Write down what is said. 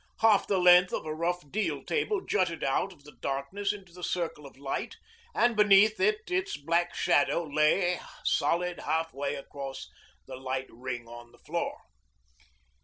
Half the length of a rough deal table jutted out of the darkness into the circle of light, and beneath it its black shadow lay solid half way across the light ring on the floor.